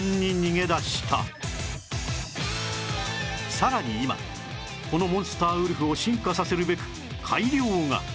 さらに今このモンスターウルフを進化させるべく改良が